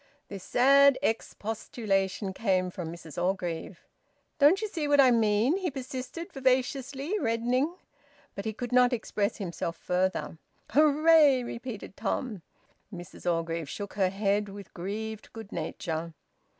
This sad expostulation came from Mrs Orgreave. "Don't you see what I mean?" he persisted vivaciously, reddening. But he could not express himself further. "Hooray!" repeated Tom. Mrs Orgreave shook her head, with grieved good nature.